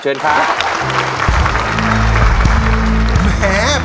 เดี๋ยวลุงแขก